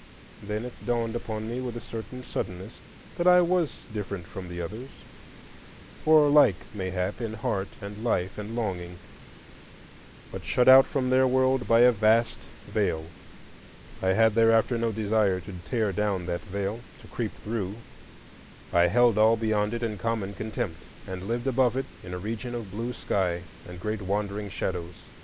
Then it dawned upon me with a certain suddenness that I was different from the others; or like, mayhap, in heart and life and longing, but shut out from their world by a vast veil. I had thereafter no desire to tear down that veil, to creep through; I held all beyond it in common contempt, and lived above it in a region of blue sky and great wandering shadows.